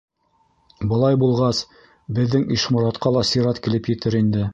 — Былай булғас, беҙҙең Ишморатҡа ла сират килеп етер инде.